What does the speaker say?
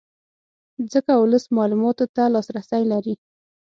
ځکه ولس معلوماتو ته لاسرې لري